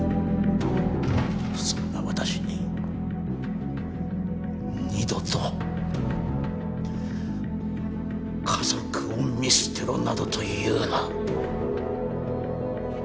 そんな私に二度と家族を見捨てろなどと言うな。